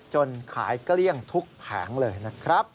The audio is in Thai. จนขายเกลี้ยงทุกแผงเลยนะครับ